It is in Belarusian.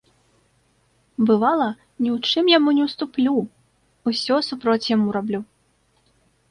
Бывала, ні ў чым яму не ўступлю, усё супроць яму раблю.